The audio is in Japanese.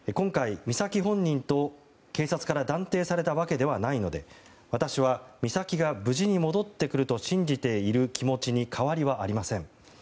今回、美咲本人と警察から断定されたわけではないので私は美咲が無事に戻ってくると信じている気持ちに変わりはありません。